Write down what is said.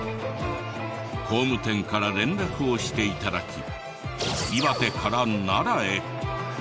工務店から連絡をして頂き岩手から奈良へ。